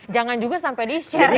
jangan juga sampai di share